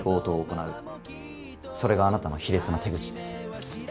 それがあなたの卑劣な手口です。